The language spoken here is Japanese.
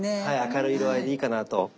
はい明るい色合いでいいかなと。